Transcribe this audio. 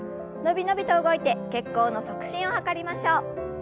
伸び伸びと動いて血行の促進を図りましょう。